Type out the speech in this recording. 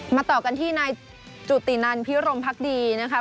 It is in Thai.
มาต่อกันที่ในจุตินันพิโรมพักดีนะครับ